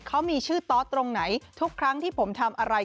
เขามีชื่อตอสตรงไหนทุกครั้งที่ผมทำอะไร